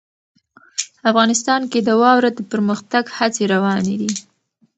افغانستان کې د واوره د پرمختګ هڅې روانې دي.